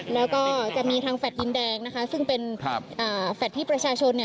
แล้วก็จะมีทางแฟลต์ดินแดงนะคะซึ่งเป็นครับอ่าแฟลตที่ประชาชนเนี่ย